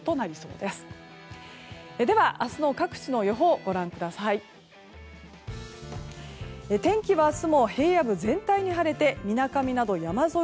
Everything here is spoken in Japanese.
では明日の各地の予報ご覧ください。